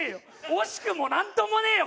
惜しくもなんともねえよ